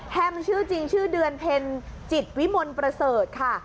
ชื่อจริงชื่อเดือนเพ็ญจิตวิมลประเสริฐค่ะ